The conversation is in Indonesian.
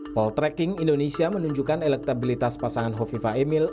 poltreking indonesia menunjukkan elektabilitas pasangan hovifa emil